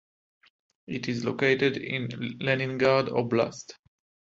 It is located in Leningrad Oblast.